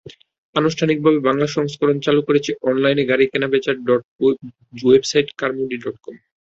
আনুষ্ঠানিকভাবে বাংলা সংস্করণ চালু করেছে অনলাইনে গাড়ি কেনাবেচার জনপ্রিয় ওয়েবসাইট কারমুডি ডটকম।